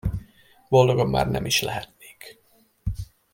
Boldogabb már nem is lehetnék!